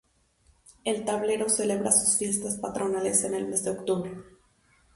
El Tablero celebra sus fiestas patronales en el mes de octubre.